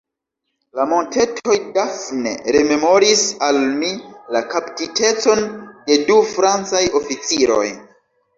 La montetoj Dafne rememoris al mi la kaptitecon de du Francaj oficiroj.